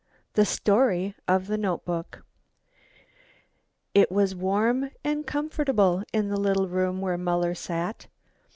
THE STORY OF THE NOTEBOOK It was warm and comfortable in the little room where Muller sat.